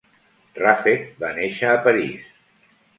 Raffet va néixer a París.